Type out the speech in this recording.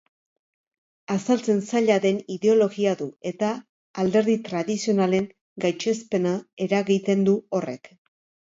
Azaltzen zaila den ideologia du, eta alderdi tradizionalen gaitzespena eragiten du horrek.